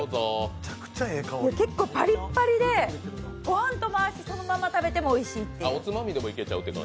結構パリッパリでごはんとも合うしそのまま食べてもおいしいという。